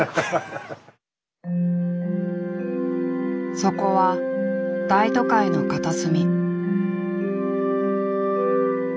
そこは大都会の片隅。